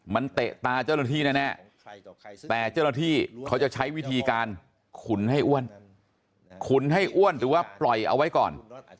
มันเตะตาเจ้าหน้าที่แน่แต่เจ้าหน้าที่เขาจะใช้วิธีการขุนให้อ้วนขุนให้อ้วนหรือว่าปล่อยเอาไว้ก่อน